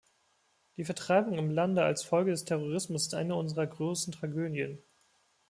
Die Vertreibung im Lande als Folge des Terrorismus ist eine unserer großen Tragödien.